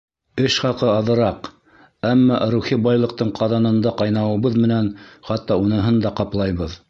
Эш хаҡы аҙыраҡ, әммә рухи байлыҡтың ҡаҙанында ҡайнауыбыҙ менән хатта уныһын да ҡаплайбыҙ.